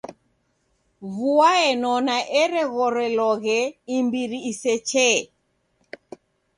Vua enona ereghoreloghe imbiri isechee.